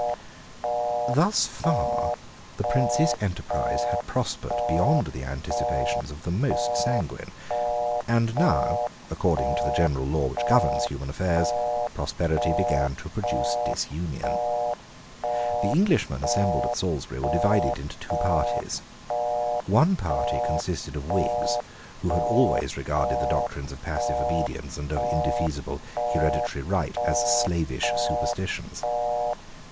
Thus far the Prince's enterprise had prospered beyond the anticipations of the most sanguine. And now, according to the general law which governs human affairs, prosperity began to produce disunion. The Englishmen assembled at Salisbury were divided into two parties. One party consisted of Whigs who had always regarded the doctrines of passive obedience and of indefeasible hereditary right as slavish superstitions.